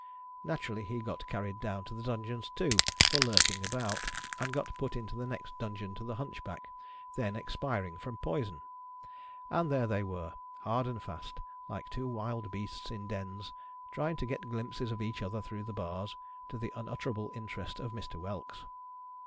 Naturally, he got carried down to the dungeons, too, for lurking about, and got put into the next dungeon to the Hunchback, then expiring from poison. And there they were, hard and fast, like two wild beasts in dens, trying to get glimpses of each other through the bars, to the xmutfcerable interest of Mr, Whelks.